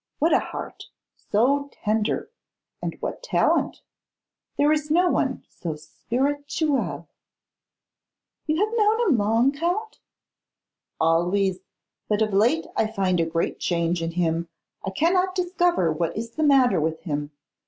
What a heart! so tender! and what talent! There is no one so spirituel.' 'You have known him long, Count?' 'Always; but of late I find a great change in him. I cannot discover what is the matter with him.